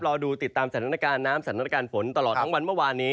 รอดูติดตามสถานการณ์น้ำสถานการณ์ฝนตลอดทั้งวันเมื่อวานนี้